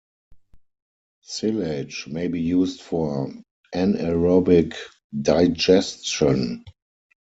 Silage may be used for anaerobic digestion.